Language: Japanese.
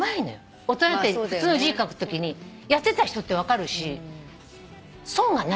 大人になって普通の字書くときにやってた人って分かるし損がない。